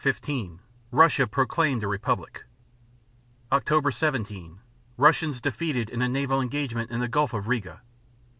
15 Russia proclaimed a republic. Oct. 17 Russians defeated in a naval engagement in the Gulf of Riga.